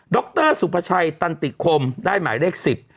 ดรสุบัไชยย์ตันติคมได้หมายเลข๑๐